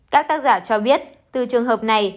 các tác giả cho biết từ trường hợp này